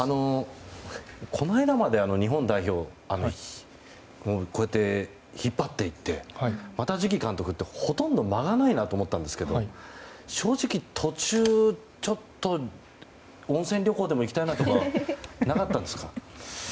この間まで日本代表を引っ張っていてまた次期監督ってほとんど間がないなと思ったんですが正直途中ちょっと、温泉旅行でも行きたいなとかなかったんですか？